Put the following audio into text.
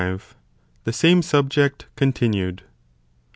— The sume Subject continued.